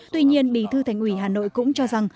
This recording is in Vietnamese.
tuy nhiên bí thư thành ủy hà nội cũng cho rằng